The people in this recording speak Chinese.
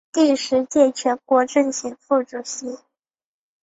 第十届全国政协副主席。